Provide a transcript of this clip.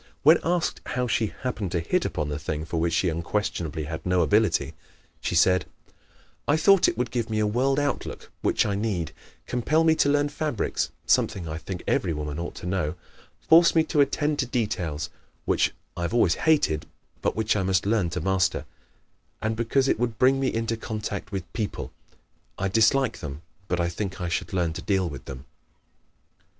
When asked how she happened to hit upon the thing for which she unquestionably had no ability, she said: "I thought it would give me a world outlook (which I need); compel me to learn fabrics (something I think every woman ought to know); force me to attend to details (which I have always hated but which I must learn to master); and because it would bring me into contact with people (I dislike them but think I should learn to deal with them)."